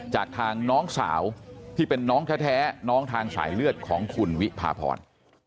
จากทางน้องสาวที่เป็นน้องแท้น้องทางสายเลือดของคุณวิพาพร